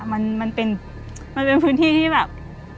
มันเป็นพื้นที่ที่แบบ